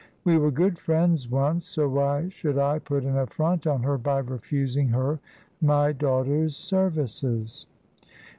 We were good friends once, so why should I put an affront on her by refusing her my daughter's services?"